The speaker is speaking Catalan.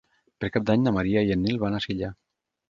Per Cap d'Any na Maria i en Nil van a Silla.